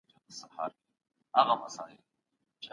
ميرمن د خاوند د اجازې پرته نفلي روژه نسي نيولای